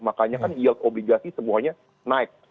makanya kan yield obligasi semuanya naik